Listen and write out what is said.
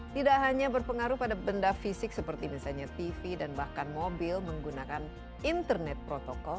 tidak hanya berpengaruh pada benda fisik seperti misalnya tv dan bahkan mobil menggunakan internet protokol